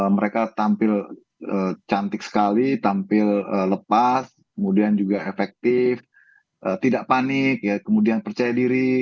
mereka tampil cantik sekali tampil lepas kemudian juga efektif tidak panik kemudian percaya diri